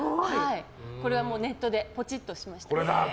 これはネットでポチっとしました。